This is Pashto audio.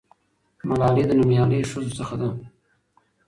ملالۍ د نومیالۍ ښځو څخه ده.